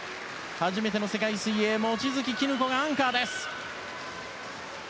初めての世界水泳望月絹子がアンカーです。